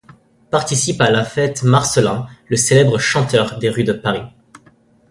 Participe à la fête Marcellin le célèbre chanteur des rues de Paris.